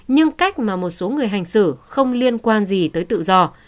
nhưng cách mà một số người hành xử không liên quan gì tới tự do